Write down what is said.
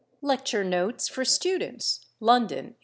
("Lecture Notes for Students," London, 1866.)